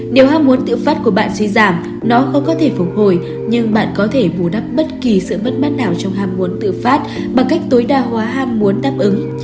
nếu hàm muốn tự phát của bạn suy giảm nó không có thể phục hồi nhưng bạn có thể bù đắp bất kỳ sự mất mắt nào trong hàm muốn tự phát bằng cách tối đa hóa hàm muốn đáp ứng